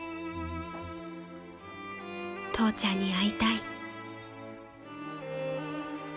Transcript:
［父ちゃんに会いたい］